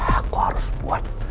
aku harus buat